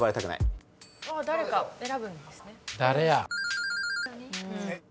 誰か選ぶんですね。